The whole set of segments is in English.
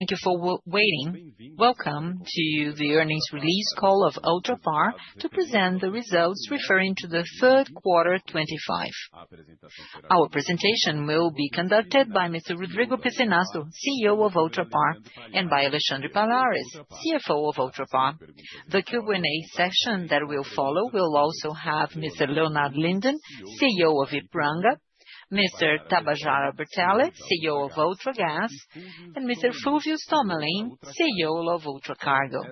Thank you for waiting. Welcome to the earnings release call of Ultrapar to present the results referring to the third quarter 2025. Our presentation will be conducted by Mr. Rodrigo Pizinatto, CEO of Ultrapar, and by Alexandre Palaris, CFO of Ultrapar. The Q&A session that will follow will also have Mr. Leonard Linden, CEO of Ipiranga, Mr. Tabajara Bertales, CEO of UltraGas, and Mr. Fulvio Stommeling, CEO of UltraCargo.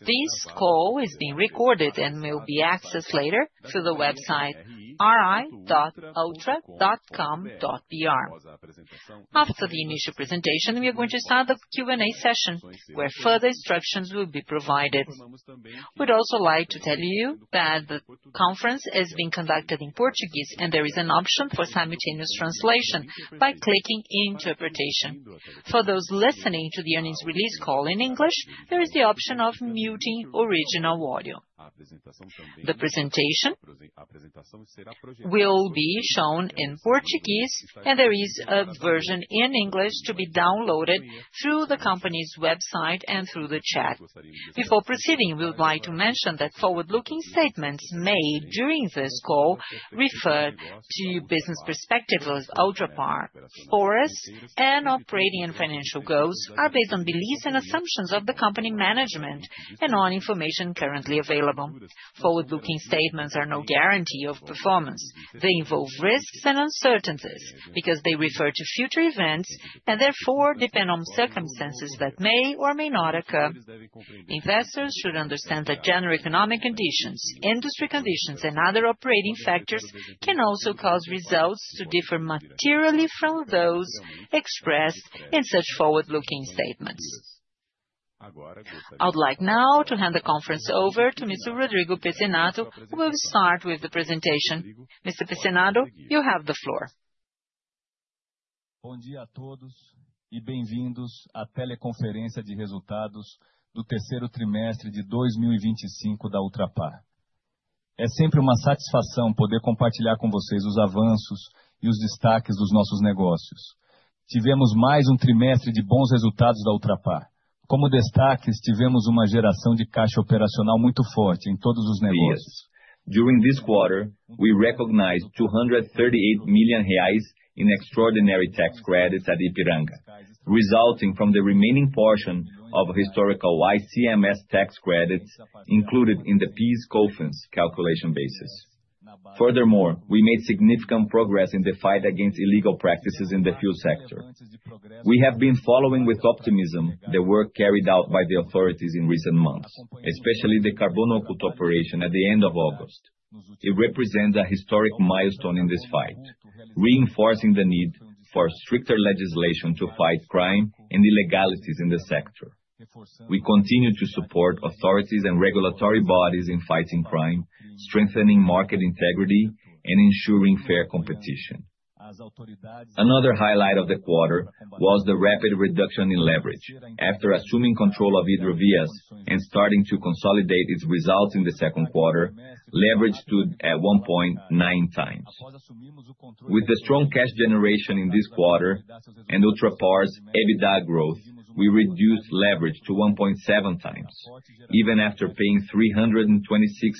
This call is being recorded and will be accessed later through the website ri.ultra.com.br. After the initial presentation, we are going to start the Q&A session, where further instructions will be provided. We'd also like to tell you that the conference is being conducted in Portuguese, and there is an option for simultaneous translation by clicking "Interpretation." For those listening to the earnings release call in English, there is the option of muting original audio. The presentation will be shown in Portuguese, and there is a version in English to be downloaded through the company's website and through the chat. Before proceeding, we would like to mention that forward-looking statements made during this call refer to business perspectives of Ultrapar. For us, operating and financial goals are based on beliefs and assumptions of the company management and on information currently available. Forward-looking statements are no guarantee of performance. They involve risks and uncertainties because they refer to future events and therefore depend on circumstances that may or may not occur. Investors should understand that general economic conditions, industry conditions, and other operating factors can also cause results to differ materially from those expressed in such forward-looking statements. I would like now to hand the conference over to Mr. Rodrigo Pizinatto, who will start with the presentation. Mr. Pizinatto, you have the floor. Bom dia a todos e bem-vindos à teleconferência de resultados do terceiro trimestre de 2025 da Ultrapar. É sempre uma satisfação poder compartilhar com vocês os avanços e os destaques dos nossos negócios. Tivemos mais um trimestre de bons resultados da Ultrapar. Como destaques, tivemos uma geração de caixa operacional muito forte em todos os negócios. Yes. During this quarter, we recognized R$238 million in extraordinary tax credits at Epranga, resulting from the remaining portion of historical ICMS tax credits included in the PIS/COFINS calculation basis. Furthermore, we made significant progress in the fight against illegal practices in the fuel sector. We have been following with optimism the work carried out by the authorities in recent months, especially the Carbon Operation at the end of August. It represents a historic milestone in this fight, reinforcing the need for stricter legislation to fight crime and illegalities in the sector. We continue to support authorities and regulatory bodies in fighting crime, strengthening market integrity, and ensuring fair competition. Another highlight of the quarter was the rapid reduction in leverage. After assuming control of Hidrovias and starting to consolidate its results in the second quarter, leverage stood at 1.9 times. With the strong cash generation in this quarter and Ultrapar's EBITDA growth, we reduced leverage to 1.7 times, even after paying R$326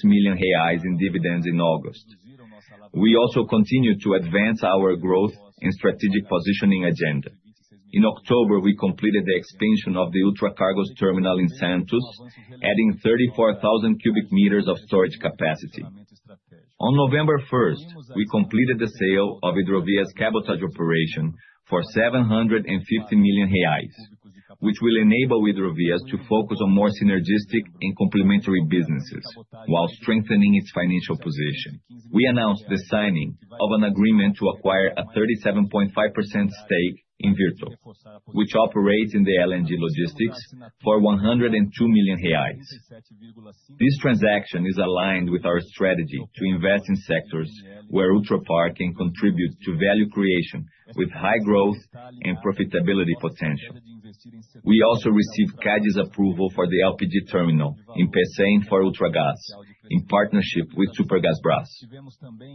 million in dividends in August. We also continue to advance our growth and strategic positioning agenda. In October, we completed the expansion of the UltraCargo's terminal in Santos, adding 34,000 cubic meters of storage capacity. On November 1st, we completed the sale of Hidrovias' cabotage operation for R$750 million, which will enable Hidrovias to focus on more synergistic and complementary businesses while strengthening its financial position. We announced the signing of an agreement to acquire a 37.5% stake in Virto, which operates in the LNG logistics, for R$102 million. This transaction is aligned with our strategy to invest in sectors where Ultrapar can contribute to value creation with high growth and profitability potential. We also received CADI's approval for the LPG terminal in Pecém for UltraGas, in partnership with SuperGas Brás.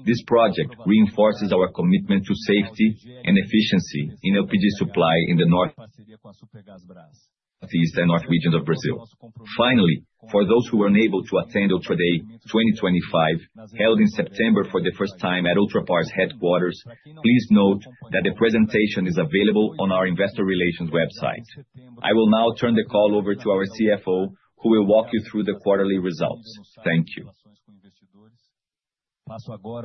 This project reinforces our commitment to safety and efficiency in LPG supply in the Northeast and North Regions of Brazil. Finally, for those who were unable to attend UltraDay 2025, held in September for the first time at Ultrapar's headquarters, please note that the presentation is available on our investor relations website. I will now turn the call over to our CFO, who will walk you through the quarterly results. Thank you.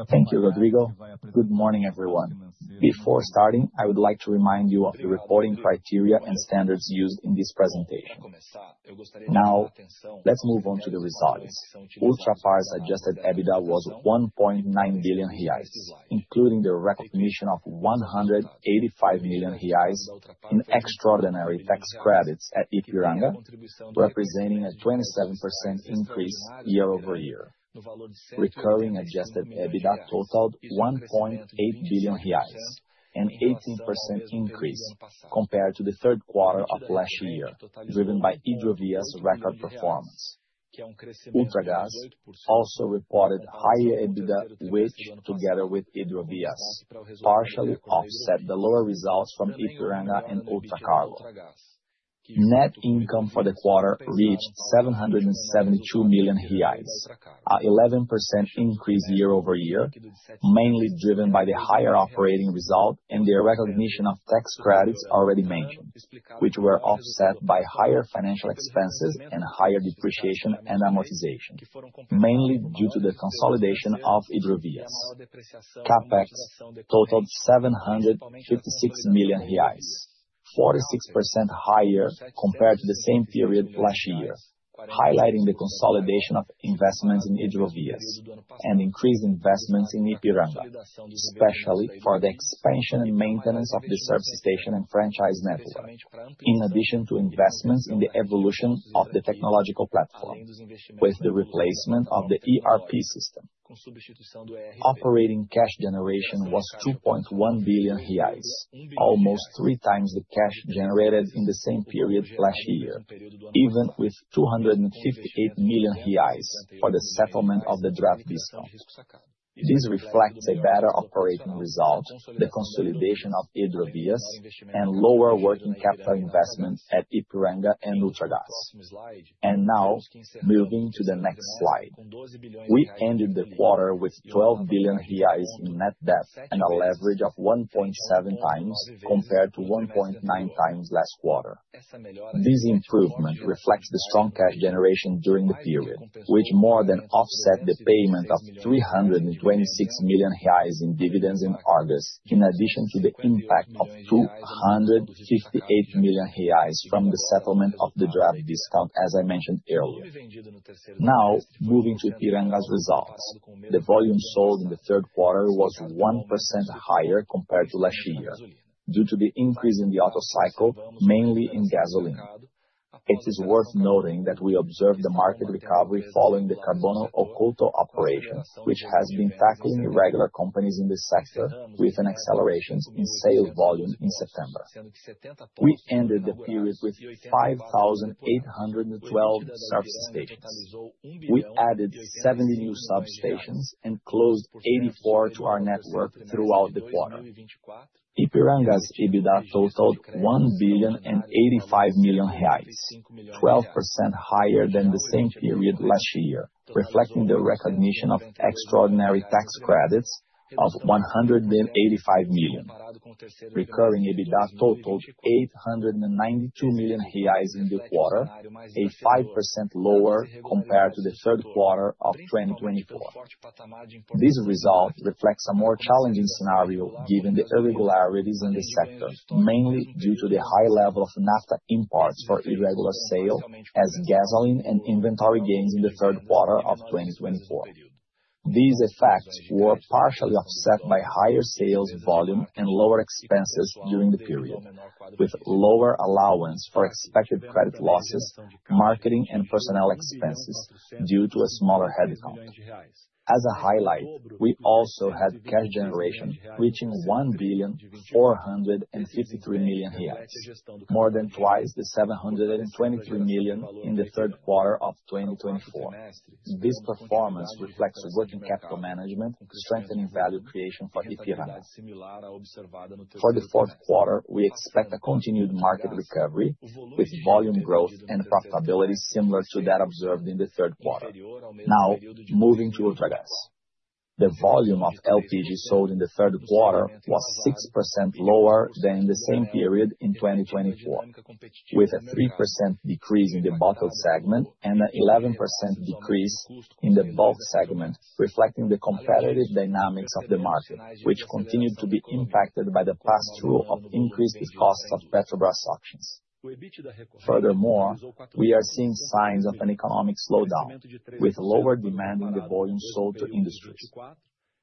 Thank you, Rodrigo. Good morning, everyone. Before starting, I would like to remind you of the reporting criteria and standards used in this presentation. Now, let's move on to the results. Ultrapar's adjusted EBITDA was R$1.9 billion, including the recognition of R$185 million in extraordinary tax credits at Epranga, representing a 27% increase year over year. Recurring adjusted EBITDA totaled R$1.8 billion, an 18% increase compared to the third quarter of last year, driven by Hidrovias' record performance. UltraGas also reported higher EBITDA, which, together with Hidrovias, partially offset the lower results from Epranga and UltraCargo. Net income for the quarter reached R$772 million, an 11% increase year over year, mainly driven by the higher operating result and the recognition of tax credits already mentioned, which were offset by higher financial expenses and higher depreciation and amortization, mainly due to the consolidation of Hidrovias. CapEx totaled R$756 million, 46% higher compared to the same period last year, highlighting the consolidation of investments in Hidrovias and increased investments in Epranga, especially for the expansion and maintenance of the service station and franchise network, in addition to investments in the evolution of the technological platform, with the replacement of the ERP system. Operating cash generation was R$2.1 billion, almost three times the cash generated in the same period last year, even with R$258 million for the settlement of the draft discount. This reflects a better operating result, the consolidation of Hidrovias, and lower working capital investment at Epranga and UltraGas. Moving to the next slide, we ended the quarter with R$12 billion in net debt and a leverage of 1.7 times compared to 1.9 times last quarter. This improvement reflects the strong cash generation during the period, which more than offset the payment of R$326 million in dividends in August, in addition to the impact of R$258 million from the settlement of the draft discount, as I mentioned earlier. Now, moving to Ipiranga's results. The volume sold in the third quarter was 1% higher compared to last year, due to the increase in the auto cycle, mainly in gasoline. It is worth noting that we observed the market recovery following the carbon lookout operation, which has been tackling irregular companies in the sector, with an acceleration in sales volume in September. We ended the period with 5,812 service stations. We added 70 new substations and closed 84 to our network throughout the quarter. Epranga's EBITDA totaled R$1.85 billion, 12% higher than the same period last year, reflecting the recognition of extraordinary tax credits of R$185 million. Recurring EBITDA totaled R$892 million in the quarter, 5% lower compared to the third quarter of 2024. This result reflects a more challenging scenario given the irregularities in the sector, mainly due to the high level of NAFTA imports for irregular sale, as gasoline and inventory gains in the third quarter of 2024. These effects were partially offset by higher sales volume and lower expenses during the period, with lower allowance for expected credit losses, marketing, and personnel expenses due to a smaller headcount. As a highlight, we also had cash generation reaching R$1.453 billion, more than twice the R$723 million in the third quarter of 2024. This performance reflects working capital management, strengthening value creation for Epranga. For the fourth quarter, we expect a continued market recovery, with volume growth and profitability similar to that observed in the third quarter. Now, moving to UltraGas. The volume of LPG sold in the third quarter was 6% lower than in the same period in 2023, with a 3% decrease in the bottled segment and an 11% decrease in the bulk segment, reflecting the competitive dynamics of the market, which continued to be impacted by the past rule of increased costs of Petrobras auctions. Furthermore, we are seeing signs of an economic slowdown, with lower demand in the volume sold to industries.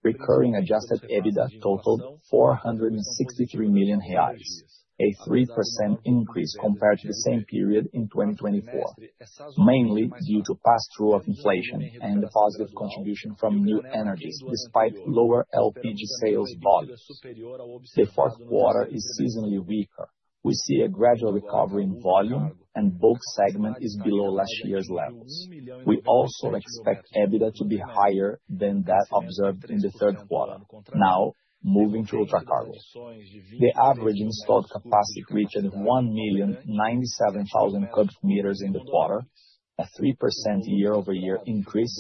Recurring adjusted EBITDA totaled R$463 million, a 3% increase compared to the same period in 2023, mainly due to past rule of inflation and the positive contribution from new energies despite lower LPG sales volume. The fourth quarter is seasonally weaker. We see a gradual recovery in volume, and bulk segment is below last year's levels. We also expect EBITDA to be higher than that observed in the third quarter. Moving to UltraCargo, the average installed capacity reached 1,097,000 cubic meters in the quarter, a 3% year-over-year increase,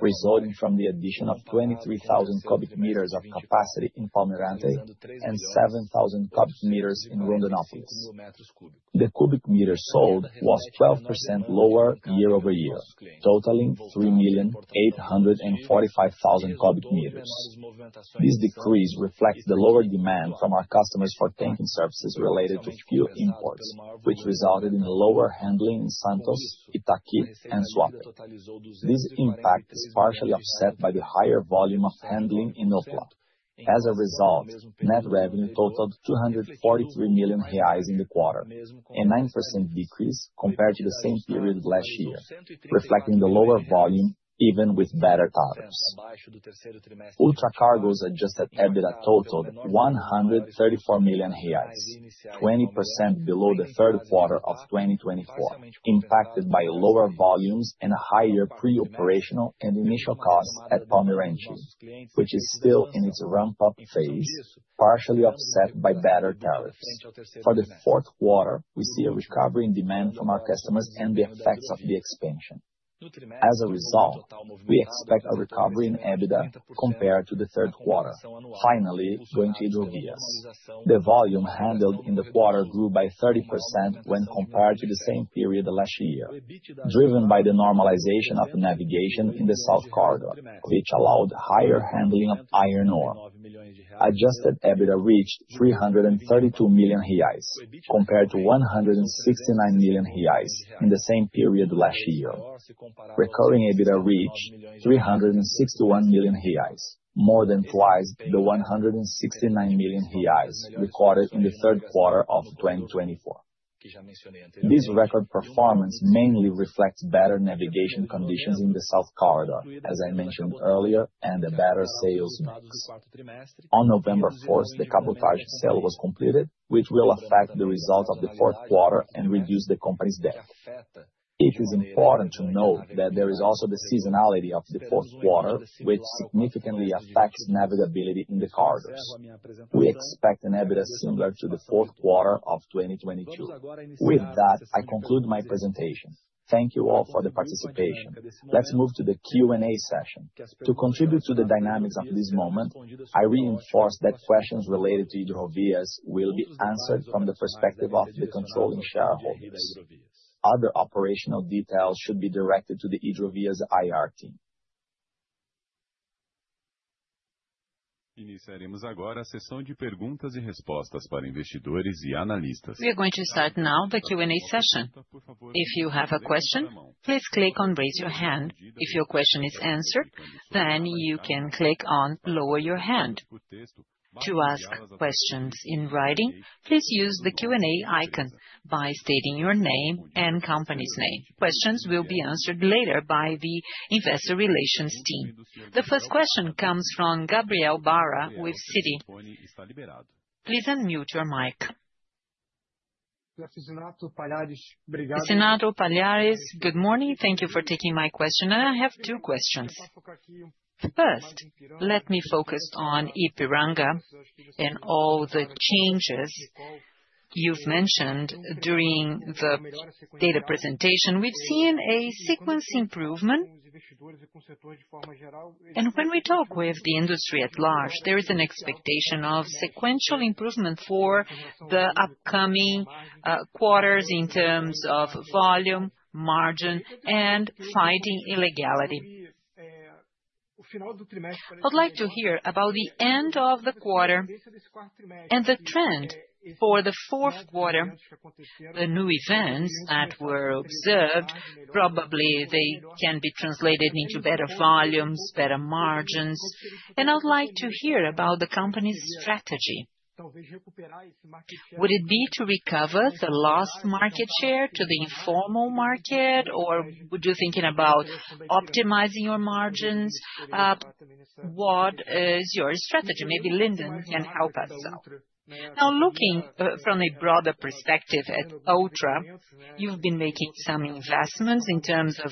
resulting from the addition of 23,000 cubic meters of capacity in Palmirante and 7,000 cubic meters in Rondonópolis. The cubic meter sold was 12% lower year-over-year, totaling 3,845,000 cubic meters. This decrease reflects the lower demand from our customers for tanking services related to fuel imports, which resulted in lower handling in Santos, Itaqui, and Suape. This impact is partially offset by the higher volume of handling in Ultra. As a result, net revenue totaled R$243 million in the quarter, a 9% decrease compared to the same period last year, reflecting the lower volume even with better tariffs. UltraCargo's adjusted EBITDA totaled R$134 million, 20% below the third quarter of 2024, impacted by lower volumes and higher pre-operational and initial costs at Palmirante, which is still in its ramp-up phase, partially offset by better tariffs. For the fourth quarter, we see a recovery in demand from our customers and the effects of the expansion. As a result, we expect a recovery in EBITDA compared to the third quarter. Finally going to Hidrovias, the volume handled in the quarter grew by 30% when compared to the same period last year, driven by the normalization of navigation in the South Cordon, which allowed higher handling of iron ore. Adjusted EBITDA reached R$332 million compared to R$169 million in the same period last year. Recurring EBITDA reached R$361 million, more than twice the R$169 million recorded in the third quarter of 2024. This record performance mainly reflects better navigation conditions in the South Corridor, as I mentioned earlier, and the better sales mix. On November 4th, the cabotage sale was completed, which will affect the result of the fourth quarter and reduce the company's debt. It is important to note that there is also the seasonality of the fourth quarter, which significantly affects navigability in the corridors. We expect an EBITDA similar to the fourth quarter of 2022. With that, I conclude my presentation. Thank you all for the participation. Let's move to the Q&A session. To contribute to the dynamics of this moment, I reinforce that questions related to Hidrovias will be answered from the perspective of the controlling shareholders. Other operational details should be directed to the Hidrovias IR team. Iniciaremos agora a sessão de perguntas e respostas para investidores e analistas. We are going to start now the Q&A session. If you have a question, please click on "Raise Your Hand." If your question is answered, then you can click on "Lower Your Hand" to ask questions in writing. Please use the Q&A icon by stating your name and company's name. Questions will be answered later by the investor relations team. The first question comes from Gabriel Barra with City. Please unmute your mic. Senator Palhares, good morning. Thank you for taking my question. I have two questions. First, let me focus on Ipiranga and all the changes you've mentioned during the data presentation. We've seen a sequential improvement, and when we talk with the industry at large, there is an expectation of sequential improvement for the upcoming quarters in terms of volume, margin, and fighting illegality. I'd like to hear about the end of the quarter and the trend for the fourth quarter. The new events that were observed, probably they can be translated into better volumes, better margins, and I'd like to hear about the company's strategy. Would it be to recover the lost market share to the informal market, or would you be thinking about optimizing your margins? What is your strategy? Maybe Linden can help us out. Now, looking from a broader perspective at Ultra, you've been making some investments in terms of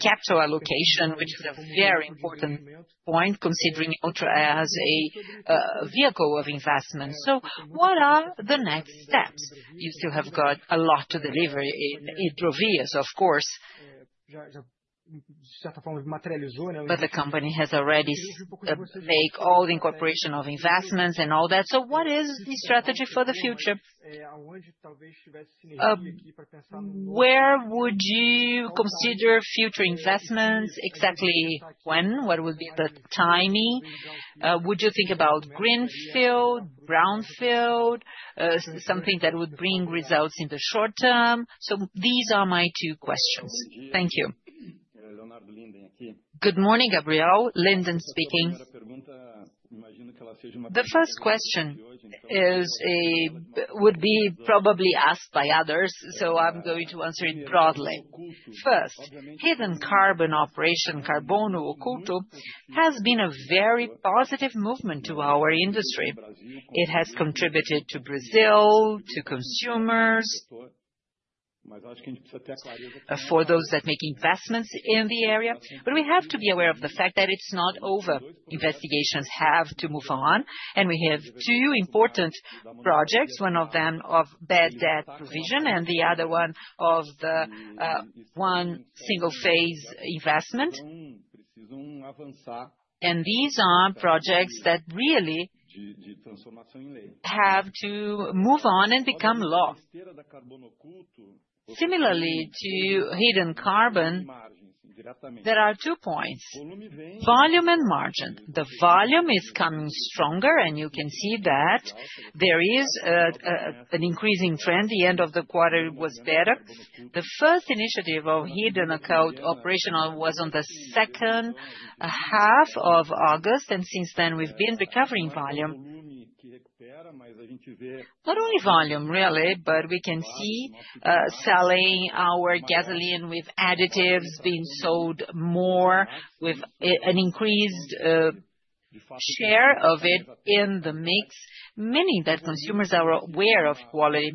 capital allocation, which is a very important point considering Ultra as a vehicle of investment. So what are the next steps? You still have got a lot to deliver in Hidrovias, of course, but the company has already made all the incorporation of investments and all that. So what is the strategy for the future? Where would you consider future investments? Exactly when? What would be the timing? Would you think about greenfield, brownfield, something that would bring results in the short term? So these are my two questions. Thank you. Good morning, Gabriel. Linden speaking. The first question would be probably asked by others, so I'm going to answer it broadly. First, hidden carbon operation, Carbono Oculto, has been a very positive movement to our industry. It has contributed to Brazil, to consumers, for those that make investments in the area. But we have to be aware of the fact that it's not over. Investigations have to move on, and we have two important projects. One of them is of bad debt provision, and the other one is of one single-phase investment. These are projects that really have to move on and become law. Similarly to hidden carbon, there are two points: volume and margin. The volume is coming stronger, and you can see that there is an increasing trend. The end of the quarter was better. The first initiative of hidden operational was on the second half of August, and since then we've been recovering volume. Not only volume, really, but we can see selling our gasoline with additives being sold more, with an increased share of it in the mix, meaning that consumers are aware of quality.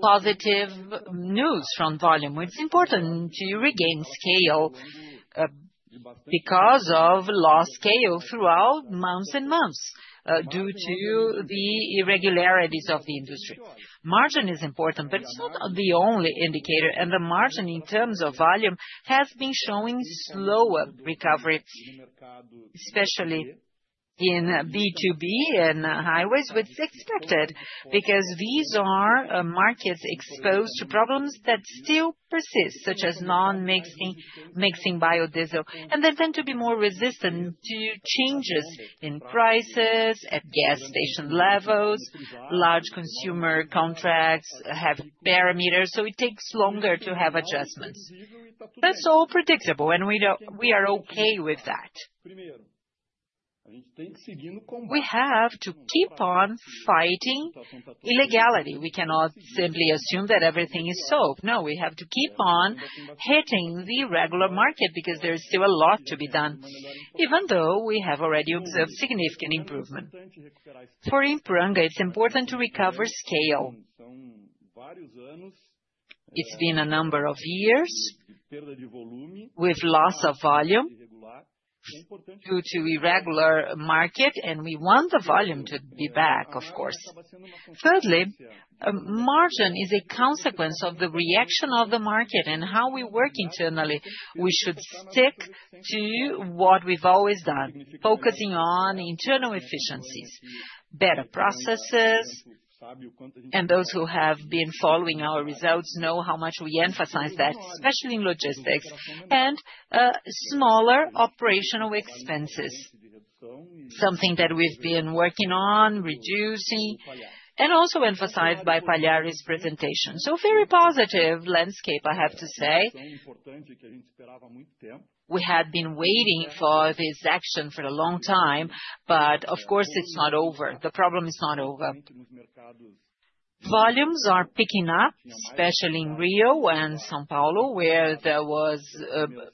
Positive news from volume. It's important to regain scale because of lost scale throughout months and months due to the irregularities of the industry. Margin is important, but it's not the only indicator, and the margin in terms of volume has been showing slower recovery, especially in B2B and highways, which is expected because these are markets exposed to problems that still persist, such as non-mixing biodiesel, and they tend to be more resistant to changes in prices at gas station levels. Large consumer contracts have barometers, so it takes longer to have adjustments. That's all predictable, and we are okay with that. We have to keep on fighting illegality. We cannot simply assume that everything is sold. No, we have to keep on hitting the regular market because there is still a lot to be done, even though we have already observed significant improvement. For Ipiranga, it's important to recover scale. It's been a number of years with loss of volume due to irregular market, and we want the volume to be back, of course. Thirdly, margin is a consequence of the reaction of the market and how we work internally. We should stick to what we've always done, focusing on internal efficiencies, better processes, and those who have been following our results know how much we emphasize that, especially in logistics and smaller operational expenses. Something that we've been working on, reducing, and also emphasized by Palhares' presentation. Very positive landscape, I have to say. We had been waiting for this action for a long time, but of course, it's not over. The problem is not over. Volumes are picking up, especially in Rio and São Paulo, where there was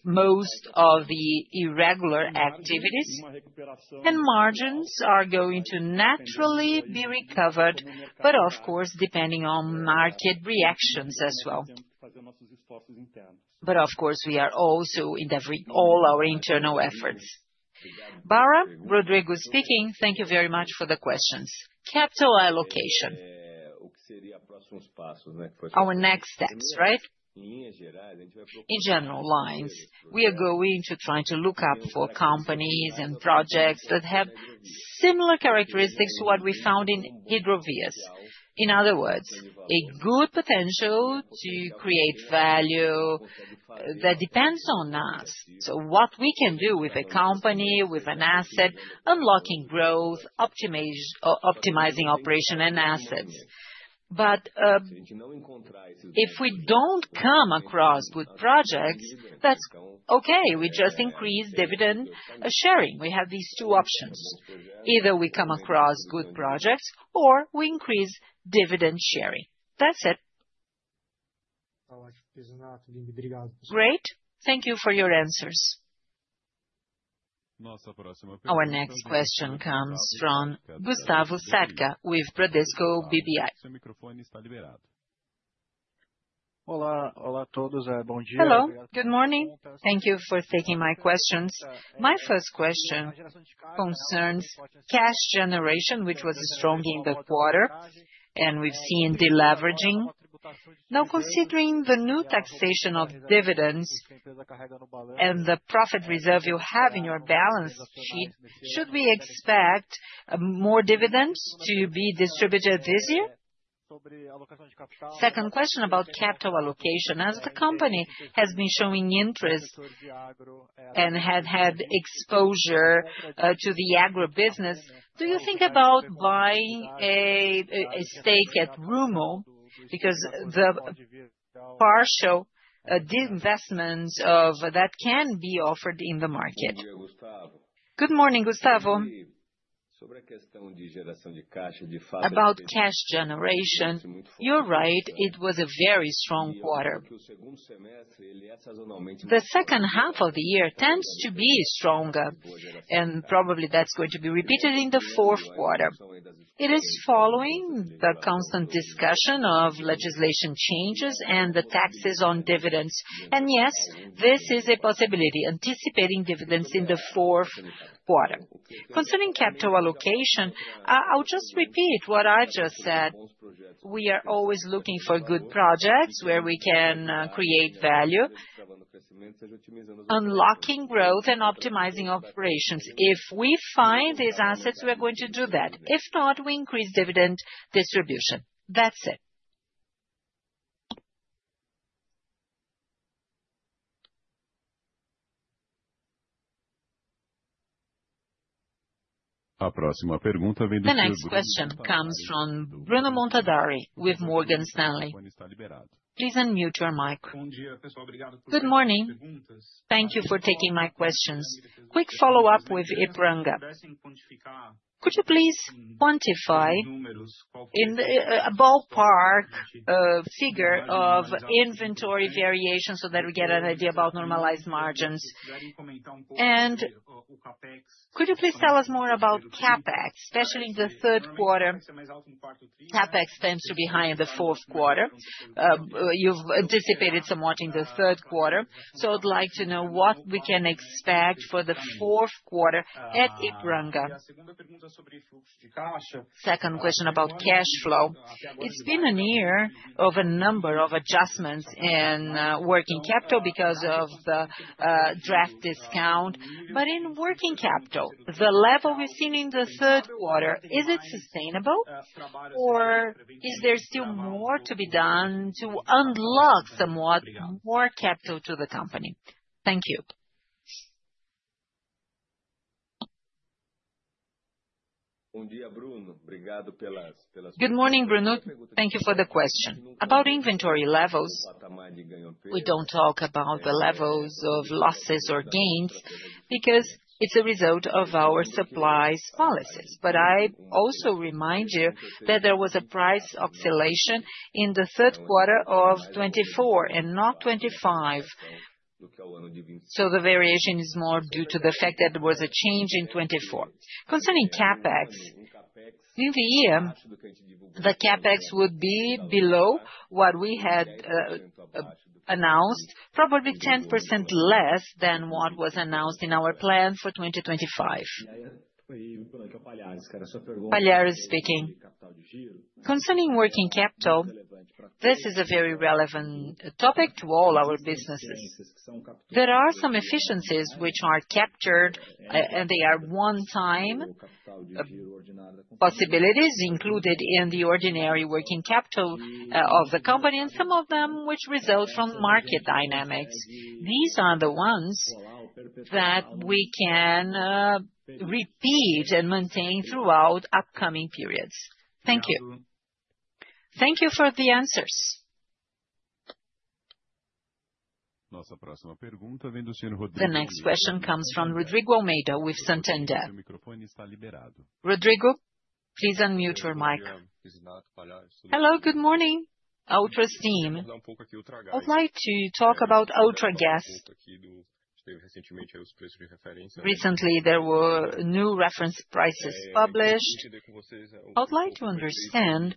most of the irregular activities, and margins are going to naturally be recovered, but of course, depending on market reactions as well. But of course, we are also indebted to all our internal efforts. Barra, Rodrigo speaking, thank you very much for the questions. Capital allocation. Our next steps, right? In general lines, we are going to try to look up for companies and projects that have similar characteristics to what we found in Hidrovias. In other words, a good potential to create value that depends on us. So what we can do with a company, with an asset, unlocking growth, optimizing operation and assets. But if we don't come across good projects, that's okay. We just increase dividend sharing. We have these two options. Either we come across good projects or we increase dividend sharing. That's it. Great. Thank you for your answers. Our next question comes from Gustavo Sadka with Bradesco BBI. Olá, olá a todos, bom dia. Hello, good morning. Thank you for taking my questions. My first question concerns cash generation, which was strong in the quarter, and we've seen deleveraging. Now, considering the new taxation of dividends and the profit reserve you have in your balance sheet, should we expect more dividends to be distributed this year? Second question about capital allocation. As the company has been showing interest and has had exposure to the agribusiness, do you think about buying a stake at Rumo? Because the partial investments that can be offered in the market. Good morning, Gustavo. About cash generation, you're right. It was a very strong quarter. The second half of the year tends to be stronger, and probably that's going to be repeated in the fourth quarter. It is following the constant discussion of legislation changes and the taxes on dividends. Yes, this is a possibility, anticipating dividends in the fourth quarter. Concerning capital allocation, I'll just repeat what I just said. We are always looking for good projects where we can create value, unlocking growth, and optimizing operations. If we find these assets, we are going to do that. If not, we increase dividend distribution. That's it. A próxima pergunta vem do Senador Byrnes. The next question comes from Bruno Montadari with Morgan Stanley. Please unmute your mic. Good morning. Thank you for taking my questions. Quick follow-up with Ipiranga. Could you please quantify in a ballpark figure of inventory variation so that we get an idea about normalized margins? Could you please tell us more about CapEx, especially in the third quarter? CapEx tends to be high in the fourth quarter. You've anticipated somewhat in the third quarter. I'd like to know what we can expect for the fourth quarter at Ipiranga. Second question about cash flow. It's been a year of a number of adjustments in working capital because of the draft discount. In working capital, the level we've seen in the third quarter, is it sustainable, or is there still more to be done to unlock somewhat more capital to the company? Thank you. Good morning, Bruno. Thank you for the question. About inventory levels, we don't talk about the levels of losses or gains because it's a result of our supplies policies. But I also remind you that there was a price oscillation in the third quarter of 2024 and not 2025. So the variation is more due to the fact that there was a change in 2024. Concerning CapEx, in the year, the CapEx would be below what we had announced, probably 10% less than what was announced in our plan for 2025. Palhares speaking. Concerning working capital, this is a very relevant topic to all our businesses. There are some efficiencies which are captured, and they are one-time possibilities included in the ordinary working capital of the company, and some of them which result from market dynamics. These are the ones that we can repeat and maintain throughout upcoming periods. Thank you. Thank you for the answers. The next question comes from Rodrigo Almeida with Santander. Rodrigo, please unmute your mic. Hello, good morning. UltraSteam, I'd like to talk about UltraGas. Recently, there were new reference prices published. I'd like to understand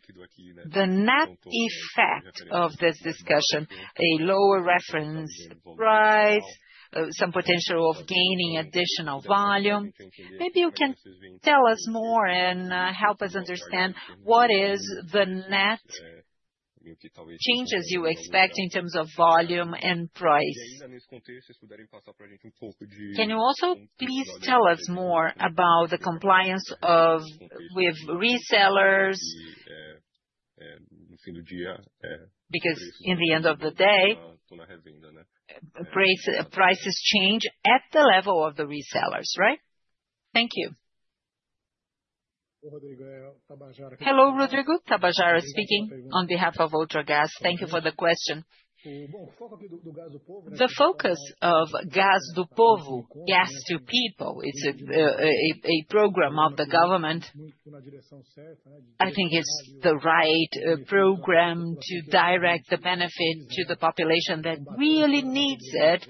the net effect of this discussion: a lower reference price, some potential of gaining additional volume. Maybe you can tell us more and help us understand what are the net changes you expect in terms of volume and price. Can you also please tell us more about the compliance with resellers? Because at the end of the day, prices change at the level of the resellers, right? Thank you. Hello, Rodrigo. Tabajara speaking on behalf of UltraGas. Thank you for the question. The focus of Gás do Povo, Gas to People, it's a program of the government. I think it's the right program to direct the benefit to the population that really needs it,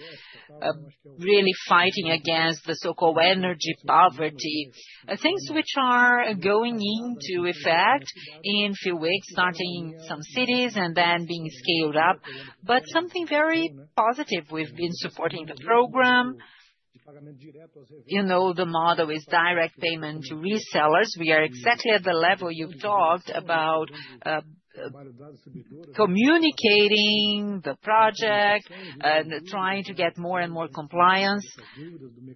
really fighting against the so-called energy poverty, things which are going into effect in a few weeks, starting in some cities and then being scaled up. But something very positive, we've been supporting the program. You know, the model is direct payment to resellers. We are exactly at the level you've talked about, communicating the project and trying to get more and more compliance.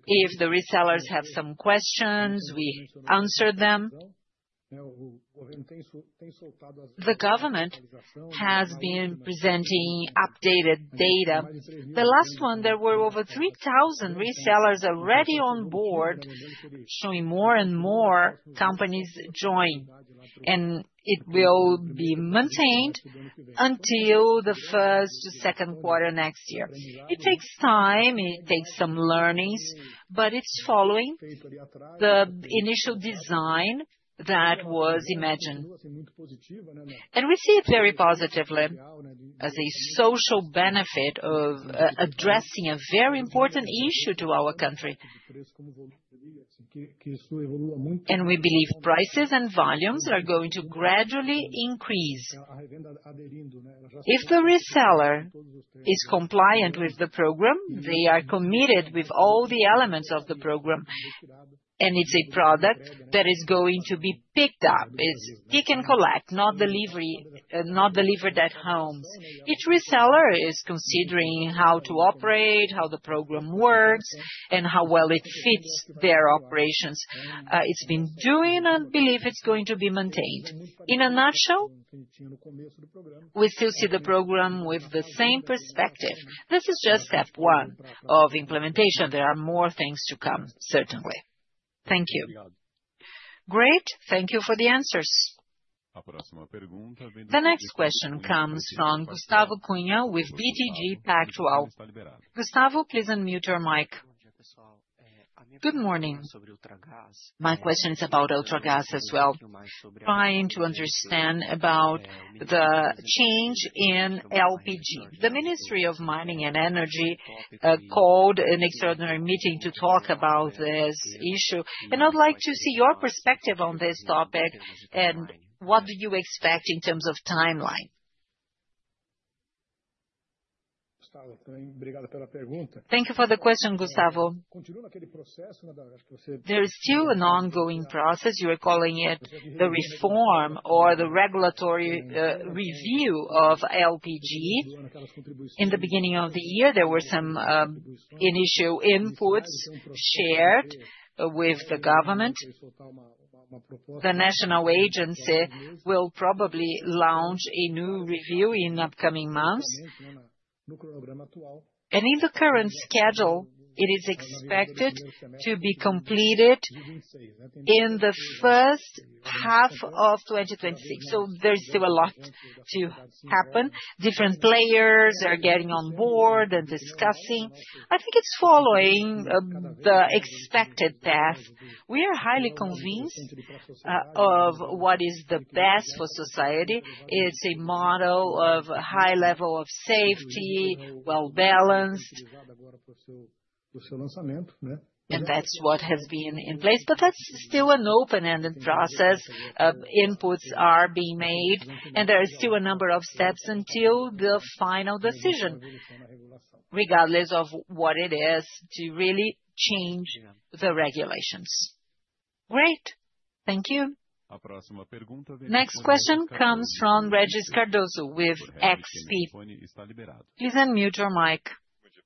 If the resellers have some questions, we answer them. The government has been presenting updated data. The last one, there were over 3,000 resellers already on board, showing more and more companies join, and it will be maintained until the first to second quarter next year. It takes time, it takes some learnings, but it's following the initial design that was imagined. We see it very positively as a social benefit of addressing a very important issue to our country. We believe prices and volumes are going to gradually increase. If the reseller is compliant with the program, they are committed with all the elements of the program, and it's a product that is going to be picked up, it's pick and collect, not delivered at homes. Each reseller is considering how to operate, how the program works, and how well it fits their operations. It's been doing, and I believe it's going to be maintained. In a nutshell, we still see the program with the same perspective. This is just step one of implementation. There are more things to come, certainly. Thank you. Great. Thank you for the answers. The next question comes from Gustavo Cunha with BTG Pactual. Gustavo, please unmute your mic. Good morning. My question is about UltraGas as well. Trying to understand about the change in LPG. The Ministry of Mining and Energy called an extraordinary meeting to talk about this issue, and I'd like to see your perspective on this topic and what do you expect in terms of timeline. Thank you for the question, Gustavo. There is still an ongoing process. You are calling it the reform or the regulatory review of LPG. In the beginning of the year, there were some initial inputs shared with the government. The national agency will probably launch a new review in upcoming months. In the current schedule, it is expected to be completed in the first half of 2026. So there is still a lot to happen. Different players are getting on board and discussing. I think it's following the expected path. We are highly convinced of what is the best for society. It's a model of a high level of safety, well-balanced. That's what has been in place, but that's still an open-ended process. Inputs are being made, and there are still a number of steps until the final decision, regardless of what it is, to really change the regulations. Great. Thank you. Next question comes from Regis Cardoso with XP. Please unmute your mic. Good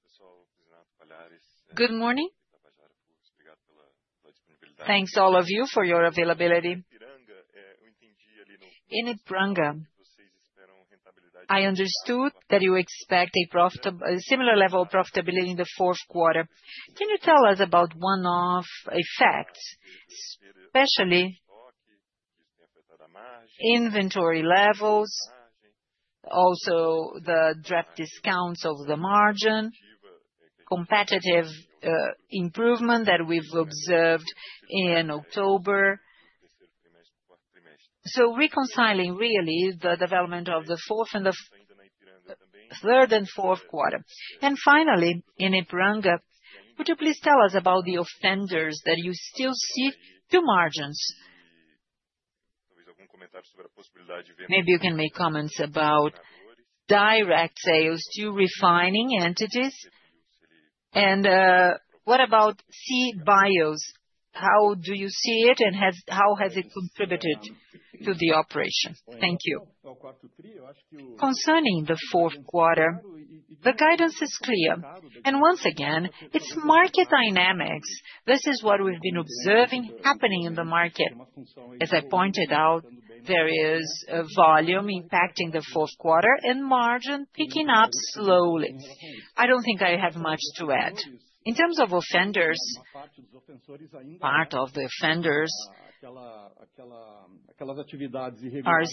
morning. Thanks all of you for your availability. In Ipiranga, I understood that you expect a similar level of profitability in the fourth quarter. Can you tell us about one-off effects, especially inventory levels, also the draft discounts of the margin, competitive improvement that we've observed in October? So reconciling, really, the development of the fourth and the third and fourth quarter. Finally, in Ipiranga, could you please tell us about the offenders that you still see to margins? Maybe you can make comments about direct sales to refining entities. What about seed bios? How do you see it, and how has it contributed to the operation? Thank you. Concerning the fourth quarter, the guidance is clear. Once again, it's market dynamics. This is what we've been observing happening in the market. As I pointed out, there is volume impacting the fourth quarter and margin picking up slowly. I don't think I have much to add. In terms of offenders, part of the offenders are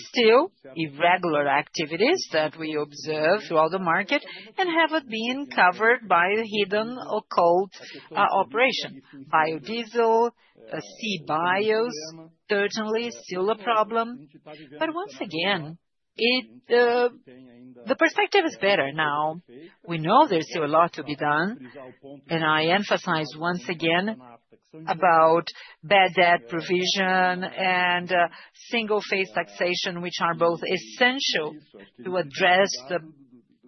still irregular activities that we observe throughout the market and have been covered by hidden occult operations. Biodiesel, seed bios, certainly still a problem. Once again, the perspective is better now. We know there's still a lot to be done. I emphasize once again about bad debt provision and single-phase taxation, which are both essential to address the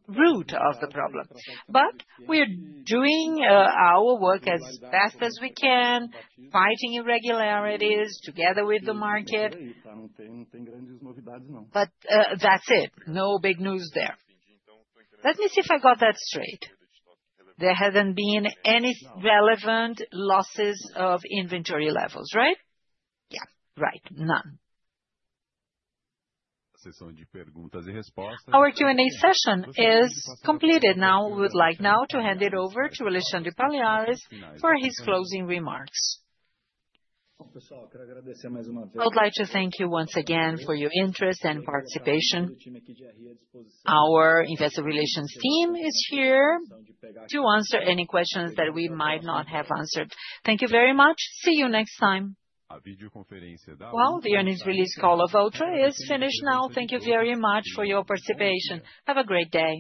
root of the problem. We are doing our work as best as we can, fighting irregularities together with the market. That's it. No big news there. Let me see if I got that straight. There haven't been any relevant losses of inventory levels, right? Right. None. Our Q&A session is completed now. We would like now to hand it over to Alexandre Paliares for his closing remarks. I would like to thank you once again for your interest and participation. Our investor relations team is here to answer any questions that we might not have answered. Thank you very much. See you next time. The earnings release call of Ultra is finished now, thank you very much for your participation. Have a great day.